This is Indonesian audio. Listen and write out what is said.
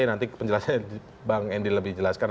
nanti penjelasannya bang endy lebih jelaskan